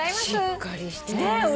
しっかりしてるね。